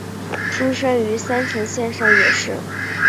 出生于三重县上野市。